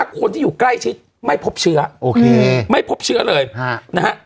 คนที่อยู่ใกล้ชิดไม่พบเชื้อโอเคไม่พบเชื้อเลยนะฮะ